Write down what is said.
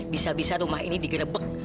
bisa bisa rumah ini digerebek